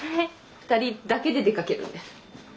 ２人だけで出かけるんです。